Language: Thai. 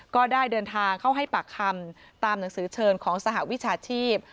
ก็ได้เดินทางเข้าให้ปากคำตามหนังสือเชิญของสหวิชาชีพ